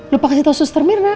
lupa kasih tau sus termirna